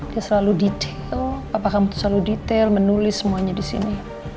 dia selalu detail papa kamu selalu detail menulis semuanya disini